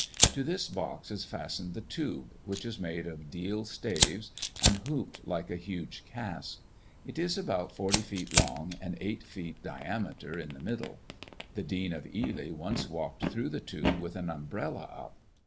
To this box is fastened the tube, which is made of deal staves, and hooped like a huge cask. It is about 40 feet long, and 8 feet diameter in the middle. _The Dean of Ely once walked through the tube with an umbrella up!